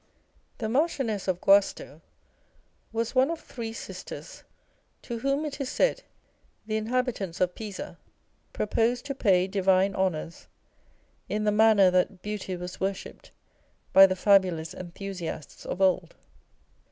The Marchioness of Guasto was one of three sisters, to whom, it is said, the inhabitants of Pisa proposed to pay divine honours, in the manner that beauty was worshipped by the fabulous enthusiasts of old.